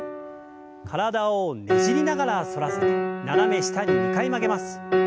体をねじりながら反らせて斜め下に２回曲げます。